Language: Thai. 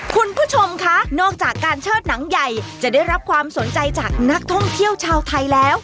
คุณผู้ชมคะนอกจากการเชิดหนังใหญ่จะได้รับความสนใจจากนักท่องเที่ยวชาวไทยแล้ว